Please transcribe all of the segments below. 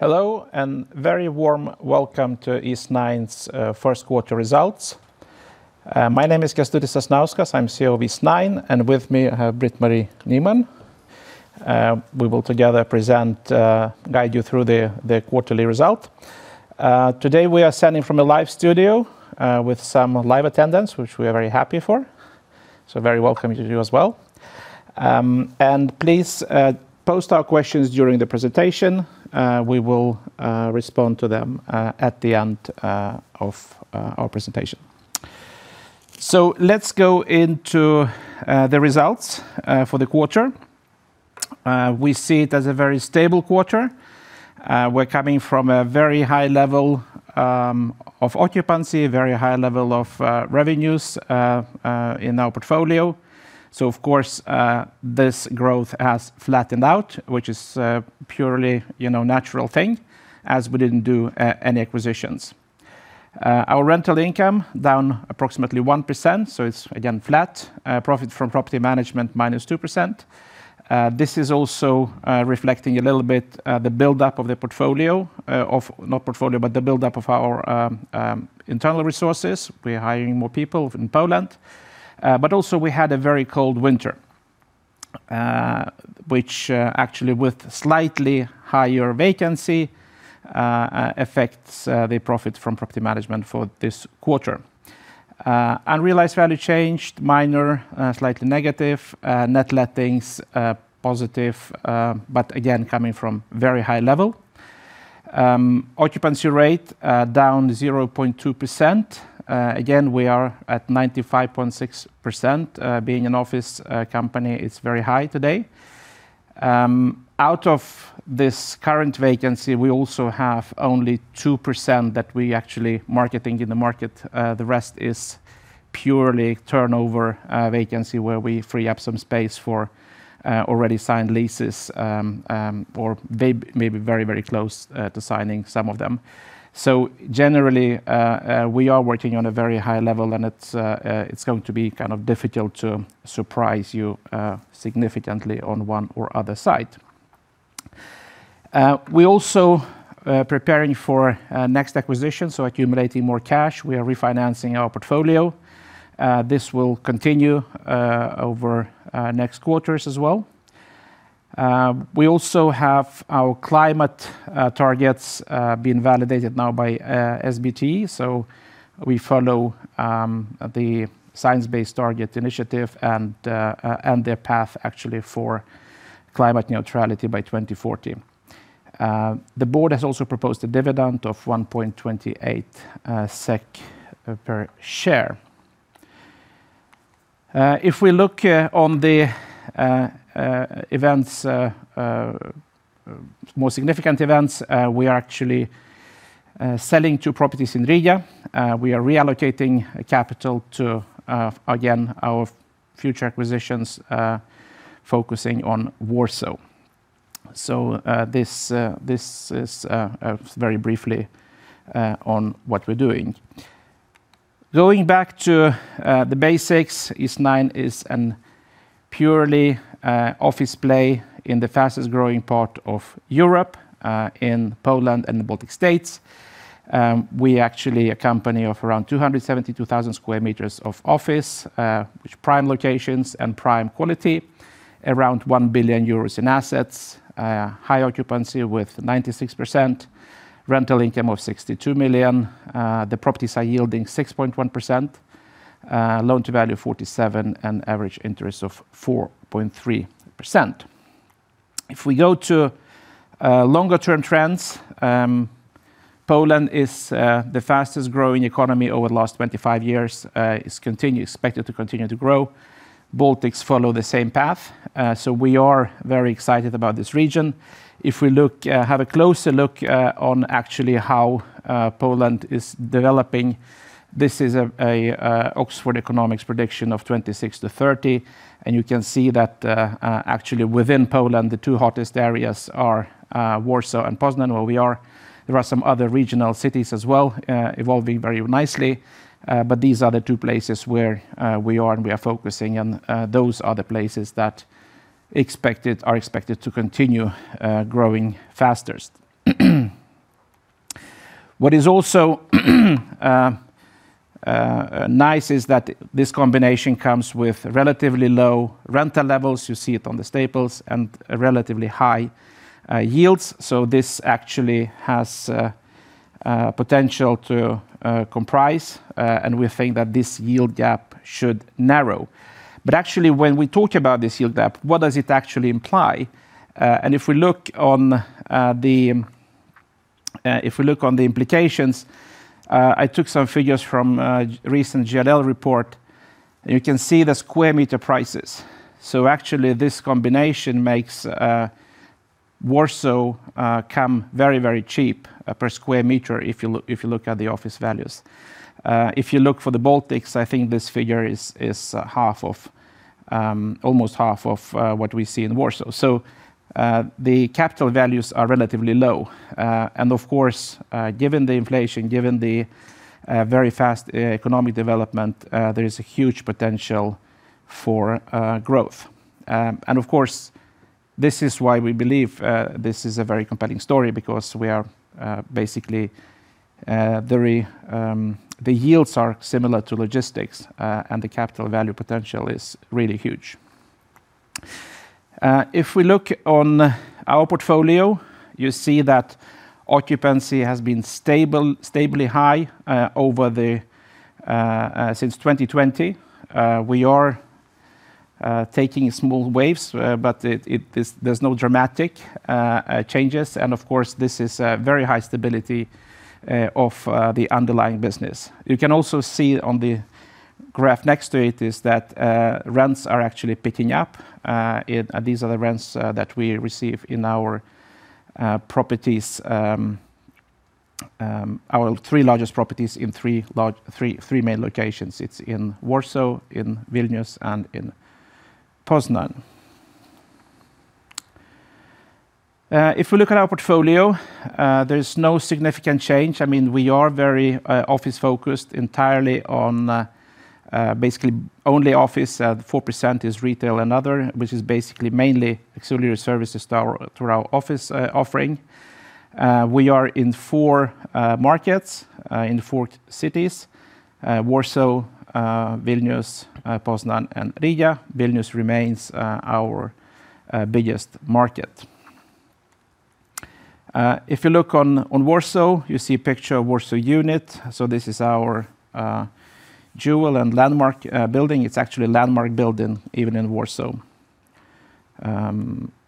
Hello, very warm welcome to Eastnine's Q1 results. My name is Kęstutis Sasnauskas, I'm CEO of Eastnine and with me i have Britt-Marie Nyman. We will together present, guide you through the quarterly result. Today we are sending from a live studio, with some live attendance, which we are very happy for. Very welcome to you as well. Please post our questions during the presentation. We will respond to them at the end of our presentation. Let's go into the results for the quarter. We see it as a very stable quarter. We're coming from a very high level of occupancy, very high level of revenues in our portfolio. Of course, this growth has flattened out, which is purely natural thing as we didn't do any acquisitions. Our rental income down approximately 1%, so it's again flat. Profit from property management -2%. This is also reflecting a little bit the buildup of our internal resources we're hiring more people in Poland but also we had a very cold winter, which actually with slightly higher vacancy, affects the profit from property management for this quarter. Unrealized value changed minor, slightly negative. Net lettings, positive, but again, coming from very high level. Occupancy rate down 0.2%. Again, we are at 95.6% being an office company, it's very high today. Out of this current vacancy, we also have only 2% that we actually marketing in the market, the rest is purely turnover vacancy, where we free up some space for already signed leases, or may be very, very close to signing some of them. Generally, we are working on a very high level, and it's going to be kind of difficult to surprise you significantly on one or other side. We also preparing for next acquisition, so accumulating more cash we are refinancing our portfolio. This will continue over next quarters as well. We also have our climate targets being validated now by SBTi. We follow the Science Based Targets initiative and their path actually for climate neutrality by 2040. The board has also proposed a dividend of 1.28 SEK per share. If we look on the events, more significant events, we are actually selling two properties in Riga. We are reallocating capital to again, our future acquisitions, focusing on Warsaw. This, this is very briefly on what we're doing. Going back to the basics, Eastnine is an purely office play in the fastest growing part of Europe, in Poland and the Baltic States. We actually a company of around 272,000sq mi of office, which prime locations and prime quality, around 1 billion euros in assets. High occupancy with 96%. Rental income of 62 million. The properties are yielding 6.1%. Loan to value of 47%, and average interest of 4.3%. If we go to longer term trends, Poland is the fastest growing economy over the last 25 years, it's expected to continue to grow. Baltics follow the same path, so we are very excited about this region. If we look, have a closer look on actually how Poland is developing, this is a Oxford Economics prediction of 2026 to 2030, and you can see that actually within Poland, the two hottest areas are Warsaw and Poznań, where we are. There are some other regional cities as well, evolving very nicely. These are the two places where we are and we are focusing, those are the places that are expected to continue growing fastest. What is also nice is that this combination comes with relatively low rental levels, you see it on the staples, and relatively high yields, so this actually has potential to comprise, and we think that this yield gap should narrow. Actually when we talk about this yield gap, what does it actually imply? If we look on the implications, I took some figures from a recent JLL report. You can see the square meter prices, so actually this combination makes Warsaw come very, very cheap per square meter if you look at the office values. If you look for the Baltics, I think this figure is half of almost half of what we see in Warsaw. The capital values are relatively low. Given the inflation, given the very fast economic development, there is a huge potential for growth. This is why we believe this is a very compelling story. The yields are similar to logistics, the capital value potential is really huge. If we look on our portfolio, you see that occupancy has been stable, stably high over the since 2020. We are taking small waves, but it there's no dramatic changes and of course, this is a very high stability of the underlying business. You can also see on the graph next to it is that rents are actually picking up. These are the rents that we receive in our properties, our three largest properties in three main locations it's in Warsaw, in Vilnius, and in Poznań. If we look at our portfolio, there's no significant change i mean, we are very office-focused entirely on basically only office 4% is retail and other, which is basically mainly auxiliary services to our office offering. We are in four markets, in four cities: Warsaw, Vilnius, Poznań, and Riga. Vilnius remains our biggest market. If you look on Warsaw, you see a picture of Warsaw Unit, so this is our jewel and landmark building it's actually a landmark building even in Warsaw.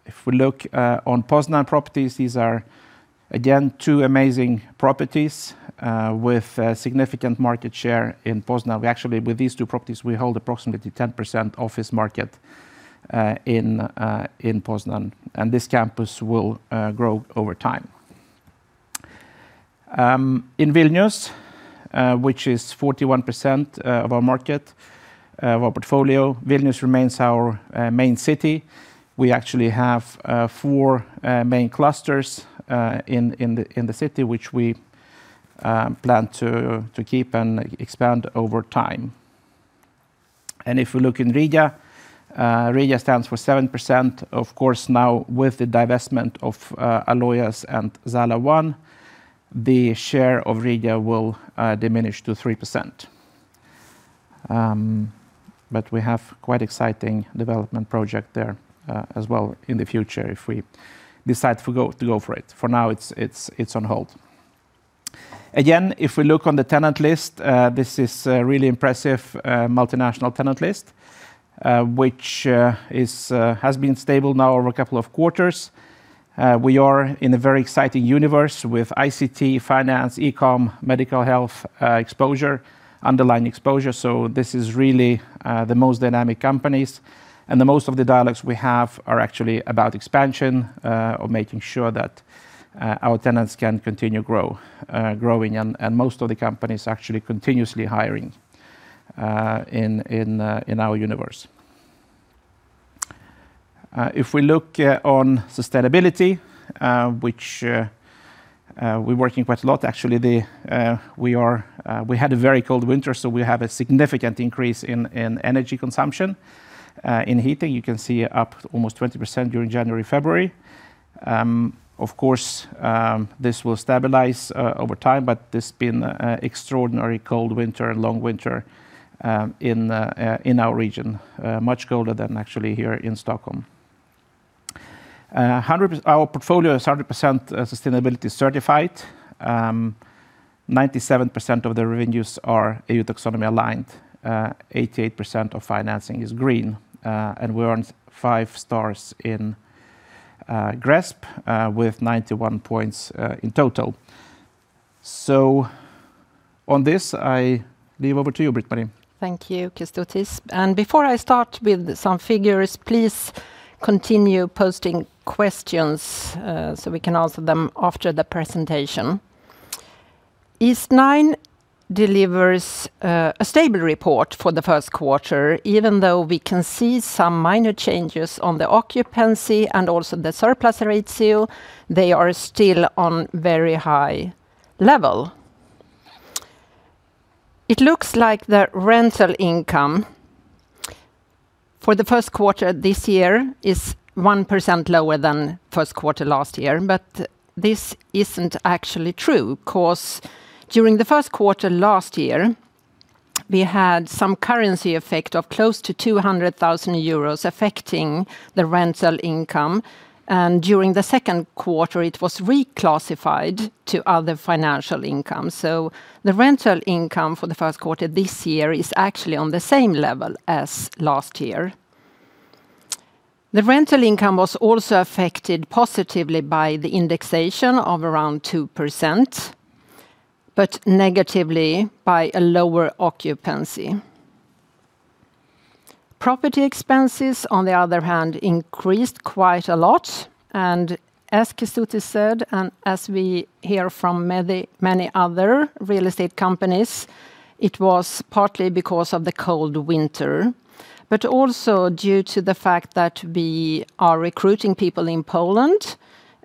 If we look on Poznań properties, these are, again, two amazing properties with a significant market share in Poznań we actually, with these two properties, we hold approximately 10% office market in in Poznań, and this campus will grow over time. In Vilnius, which is 41% of our market of our portfolio, Vilnius remains our main city. We actually have four main clusters in the, in the city, which we plan to keep and expand over time. If we look in Riga stands for 7% of course, now with the divestment of Alojas and Zala 1, the share of Riga will diminish to 3%. We have quite exciting development project there as well in the future if we decide to go for it for now, it's on hold. Again, if we look on the tenant list, this is a really impressive multinational tenant list, which is has been stable now over a couple of quarters. We are in a very exciting universe with ICT, Finance, E-com, medical health exposure, underlying exposure so this is really the most dynamic companies, and most of the dialogues we have are actually about expansion or making sure that our tenants can continue grow growing, and most of the companies actually continuously hiring in our universe. If we look on sustainability, which we're working quite a lot, actually, we had a very cold winter, so we have a significant increase in energy consumption, In heating you can see up almost 20% during January, February. Of course, this will stabilize over time, but this been a extraordinary cold winter, long winter in our region, much colder than actually here in Stockholm. Our portfolio is 100% sustainability certified. 97% of the revenues are EU Taxonomy aligned. 88% of financing is green, and we earned 5-stars in GRESB with 91 points in total. On this, I leave over to you, Britt-Marie. Thank you, Kęstutis. Before I start with some figures, please continue posting questions, so we can answer them after the presentation. Eastnine delivers a stable report for the Q1 even though we can see some minor changes on the occupancy and also the surplus ratio, they are still on very high level. It looks like the rental income for the Q1 this year is 1% lower than Q1 last year this isn't actually true cause, during the Q1 last year, we had some currency effect of close to 200,000 euros affecting the rental income. During the Q2, it was reclassified to other financial income so, the rental income for the Q1 this year is actually on the same level as last year. The rental income was also affected positively by the indexation of around 2%, but negatively by a lower occupancy. Property expenses, on the other hand, increased quite a lot, and as Kęstutis said, and as we hear from many other real estate companies, it was partly because of the cold winter. Also due to the fact that we are recruiting people in Poland,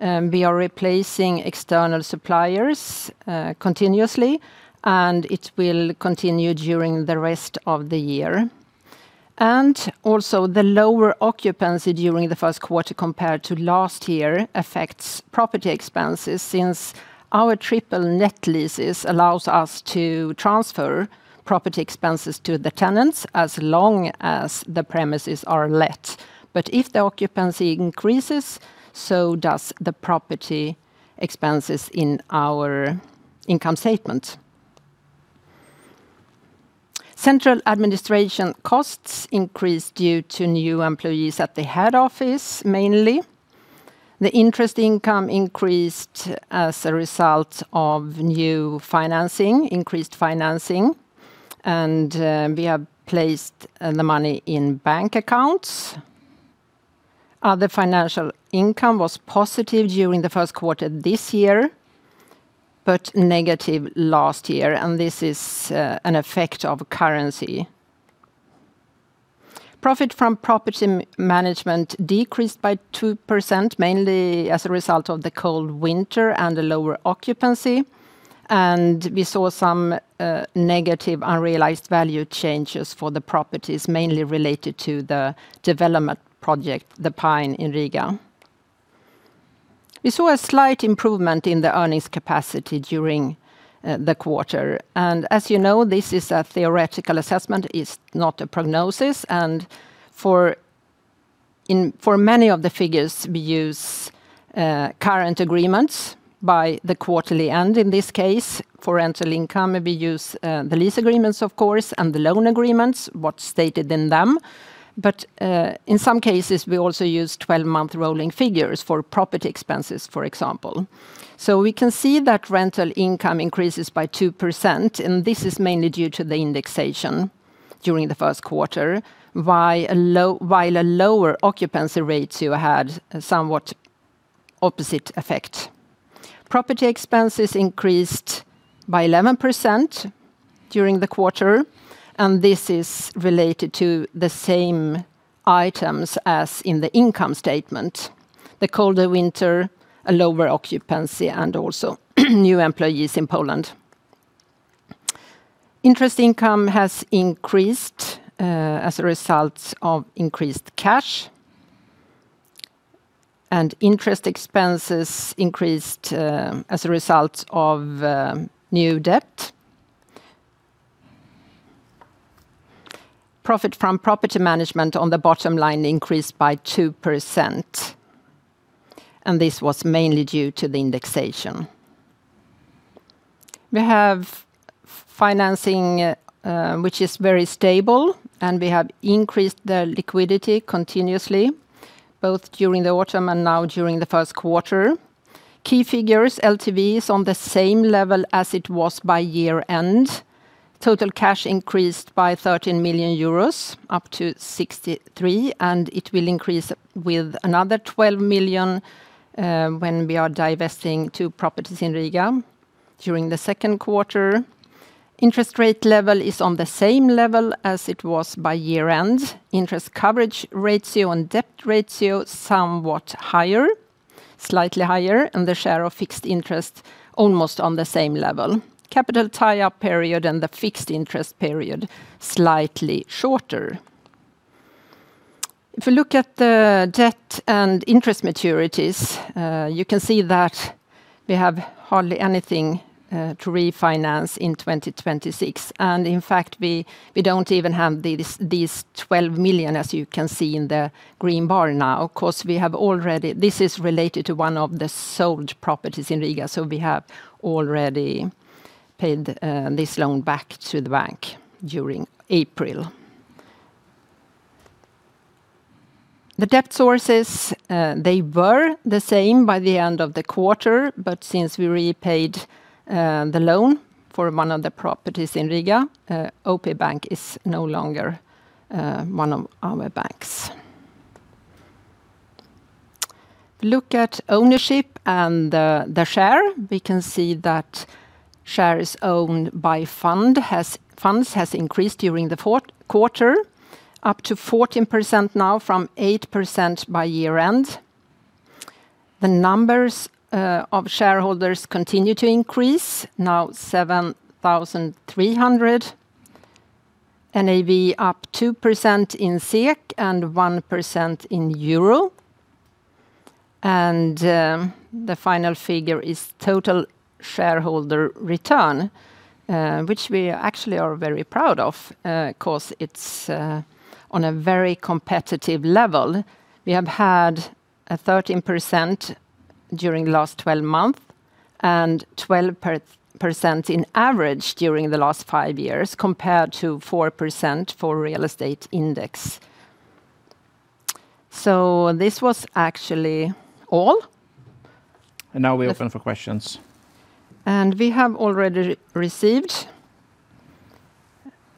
we are replacing external suppliers continuously, and it will continue during the rest of the year. Also the lower occupancy during the Q1 compared to last year affects property expenses since our triple net leases allows us to transfer property expenses to the tenants as long as the premises are let. If the occupancy increases, so does the property expenses in our income statement. Central administration costs increased due to new employees at the head office mainly. The interest income increased as a result of new financing increased financing, and we have placed the money in bank accounts. Other financial income was positive during the Q1 this year, but negative last year, this is an effect of currency. Profit from property management decreased by 2%, mainly as a result of the cold winter and the lower occupancy, we saw some negative unrealized value changes for the properties, mainly related to the development project, The Pine in Riga. We saw a slight improvement in the earnings capacity during the quarter, and as you know, this is a theoretical assessment it's not a prognosis. For many of the figures, we use current agreements by the quarterly end, in this case. For rental income, we use the lease agreements, of course, and the loan agreements, what's stated in them. In some cases, we also use 12-month rolling figures for property expenses, for example. So we can see that rental income increases by 2%, and this is mainly due to the indexation during the Q1, while a lower occupancy rate, too, had a somewhat opposite effect. Property expenses increased by 11% during the quarter, and this is related to the same items as in the income statement, the colder winter, a lower occupancy, and also new employees in Poland. Interest income has increased as a result of increased cash. Interest expenses increased as a result of new debt. Profit from property management on the bottom line increased by 2%, and this was mainly due to the indexation. We have financing, which is very stable, and we have increased the liquidity continuously, both during the autumn and now during the Q1. Key figures, LTV is on the same level as it was by year-end. Total cash increased by 13 million euros, up to 63, and it will increase with another 12 million when we are divesting two properties in Riga during the Q2. Interest rate level is on the same level as it was by year-end. Interest coverage ratio and debt ratio, somewhat higher, slightly higher, and the share of fixed interest almost on the same level. Capital tie-up period and the fixed interest period, slightly shorter. If you look at the debt and interest maturities, you can see that we have hardly anything to refinance in 2026, and in fact, we don't even have these 12 million, as you can see in the green bar now of course, we have already paid this loan back to the bank during April. The debt sources, they were the same by the end of the quarter, but since we repaid the loan for one of the properties in Riga, OP Bank is no longer one of our banks. Look at ownership and the share we can see that shares owned by funds has increased during the Q4, up to 14% now from 8% by year-end. The numbers of shareholders continue to increase, now 7,300. NAV up 2% in SEK and 1% in EUR. The final figure is Total Shareholder Return, which we actually are very proud of, because it's on a very competitive level. We have had a 13% during last 12 months and 12% in average during the last five years, compared to 4% for real estate index. This was actually all. Now we open for questions. We have already received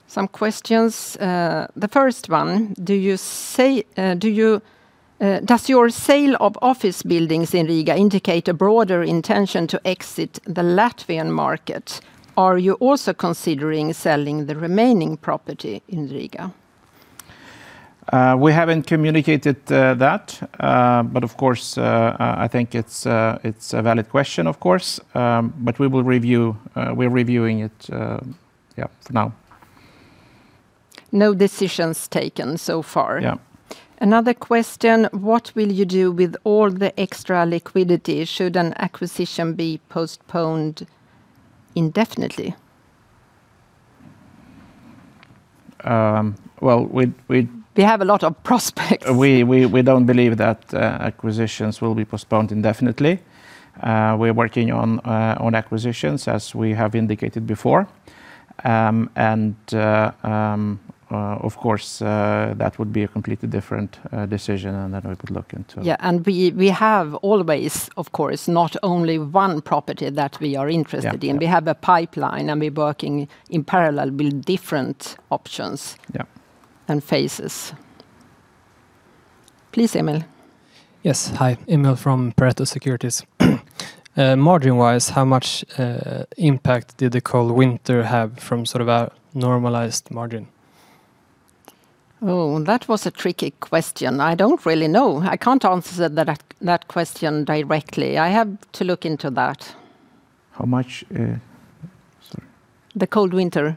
some questions. The first one: does your sale of office buildings in Riga indicate a broader intention to exit the Latvian market? Are you also considering selling the remaining property in Riga? We haven't communicated that, but of course, I think it's a, it's a valid question, of course. We will review, we're reviewing it, yeah, now. No decisions taken so far. Yeah Another question: What will you do with all the extra liquidity? Should an acquisition be postponed indefinitely? Well, we- We have a lot of prospects. We don't believe that acquisitions will be postponed indefinitely. We're working on acquisitions, as we have indicated before. Of course, that would be a completely different decision and that I would look into. Yeah, we have always, of course, not only one property that we are interested in. Yeah. We have a pipeline, and we're working in parallel with different options- Yeah -and phases. Please, Emil. Yes. Hi Emil from Pareto Securities. Margin-wise, how much? impact did the cold winter have from sort of a normalized margin? Oh, that was a tricky question i don't really know, i can't answer that question directly i have to look into that. How much? Sorry. The cold winter-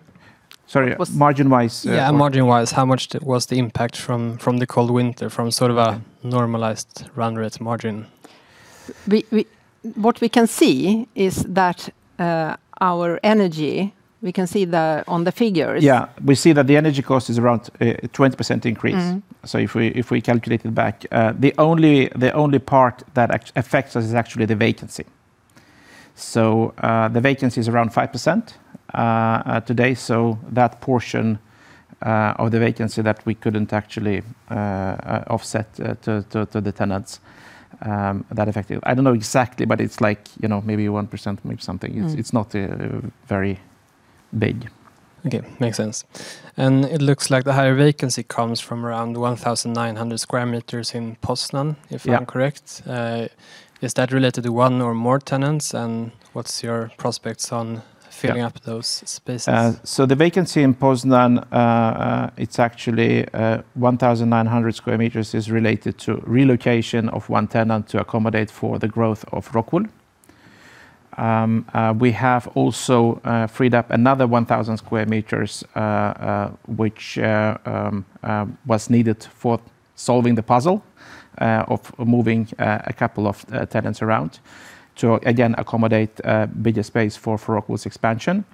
Sorry, margin-wise. Yeah margin-wise, how much was the impact from the cold winter, from sort of a normalized run rate margin? What we can see is that our energy, we can see on the figures. Yeah. We see that the energy cost is around 20% increase. If we calculated back, the only part that affects us is actually the vacancy. The vacancy is around 5%, today, that portion of the vacancy that we couldn't actually offset to the tenants, that effective i don't know exactly, but it's, like, you know, maybe 1%, maybe something it's not very big. Okay makes sense. It looks like the higher vacancy comes from around 1,900sq mi in Poznań. Yeah if i'm correct. Is that related to one or more tenants? What's your prospects- Yeah Filling up those spaces? The vacancy in Poznań, it's actually 1,900sq mi is related to relocation of one tenant to accommodate for the growth of ROCKWOOL. We have also freed up another 1,000sq mi which was needed for solving the puzzle, of moving a couple of tenants around, to again accommodate a bigger space for ROCKWOOL's expansion.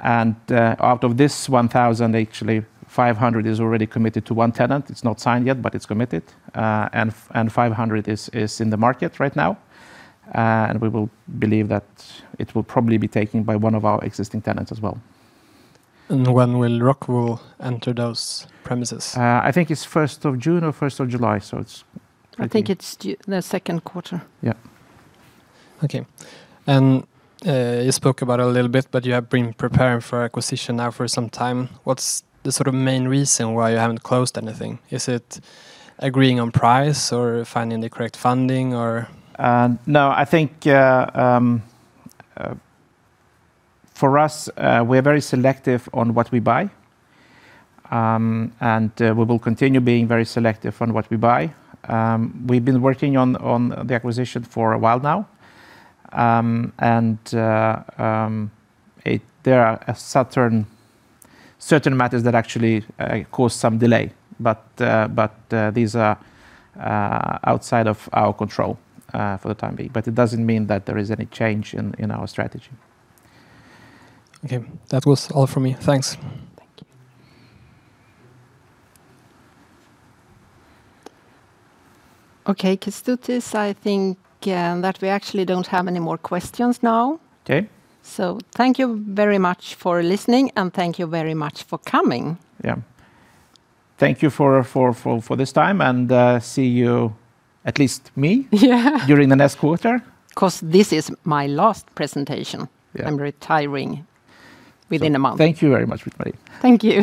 Out of this 1,000, actually 500 is already committed to one tenant it's not signed yet, but it's committed, and 500 is in the market right now. We will believe that it will probably be taken by one of our existing tenants as well. When will ROCKWOOL enter those premises? I think it's first of June or first of July. I think it's the Q2. Yeah. Okay. You spoke about a little bit, but you have been preparing for acquisition now for some time what's the sort of main reason why you haven't closed anything? Is it agreeing on price? or finding the correct funding or? No, I think for us, we're very selective on what we buy. We will continue being very selective on what we buy. We've been working on the acquisition for a while now. There are certain matters that actually cause some delay but, these are outside of our control for the time being, but it doesn't mean that there is any change in our strategy. Okay. That was all from me thanks. Okay Kęstutis i think that we actually don't have any more questions now. Okay. Thank you very much for listening, and thank you very much for coming. Yeah. Thank you for this time and see you- Yeah During the next quarter. This is my last presentation. Yeah. I'm retiring within a month. Thank you very much, Marie. Thank you.